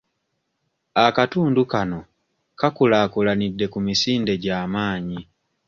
Akatundu kano kakulaakulanidde ku misinde gya maanyi.